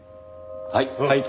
はい。